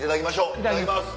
いただきます。